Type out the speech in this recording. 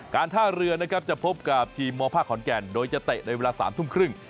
การท่าเรือนะครับจะพบกับทีมมภาคขอนแก่นโดยจะเตะในเวลา๓ทุ่มครึ่ง